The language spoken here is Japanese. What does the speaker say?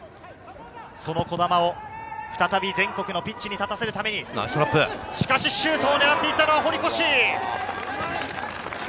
その児玉を再び全国のピッチに立たせるために、しかしシュートを狙っていたのは堀越。